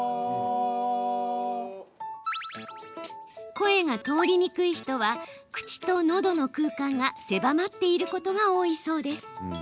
声が通りにくい人は口と、のどの空間が狭まっていることが多いそうです。